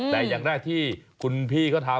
แต่อย่างแรกที่คุณพี่เขาทำ